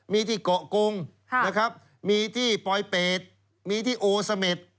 มีที่เกาะกงนะครับมีที่ปลอยเป็ดมีที่โอเสม็ด